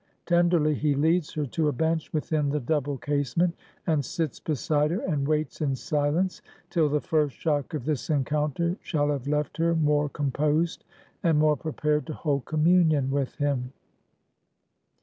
Tenderly he leads her to a bench within the double casement; and sits beside her; and waits in silence, till the first shock of this encounter shall have left her more composed and more prepared to hold communion with him.